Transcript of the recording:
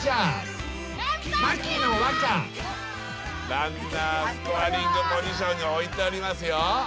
ランナースコアリングポジションに置いておりますよ。